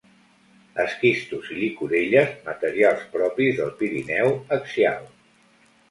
Esquistos i llicorelles, materials propis del Pirineu axial.